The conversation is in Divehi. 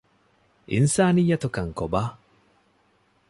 އިންސާނިއްޔަތުކަން ކޮބާ؟